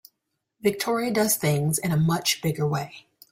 Victoria does things in a much bigger way.